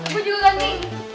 gue juga ganti